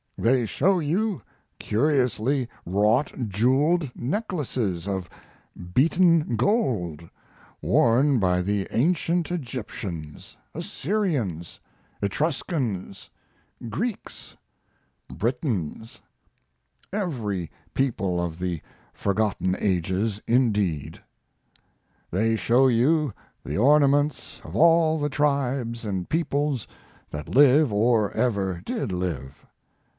They show you curiously wrought jeweled necklaces of beaten gold, worn by the ancient Egyptians, Assyrians, Etruscans, Greeks, Britons every people of the forgotten ages, indeed. They show you the ornaments of all the tribes and peoples that live or ever did live.